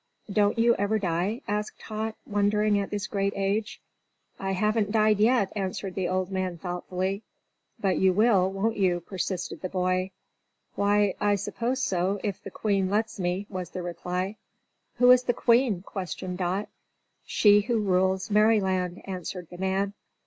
"Don't you ever die?" asked Tot wondering at this great age. "I haven't died yet," answered the old man, thoughtfully. "But you will, won't you?" persisted the boy. "Why, I suppose so, if the Queen lets me," was the reply. "Who is the Queen?" questioned Dot. "She who rules Merryland," answered the man.